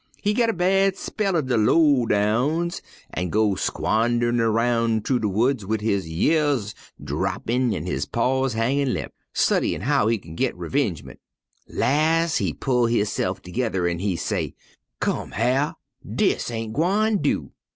He git a bad spell er de low downs an' go squanderin' roun' thu de woods wid his years drapt an' his paws hangin' limp, studyin' how he kin git revengemint. Las' he pull hisse'f toge'rr an' he say: 'Come, Hyar', dis ain't gwine do.